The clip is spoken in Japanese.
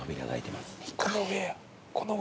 この上？